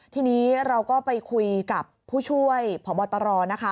ทีนี้เราก็ไปคุยกับผู้ช่วยพบตรนะคะ